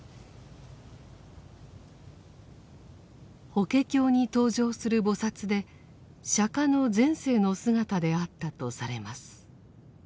法華経に登場する菩薩で釈の前世の姿であったとされます。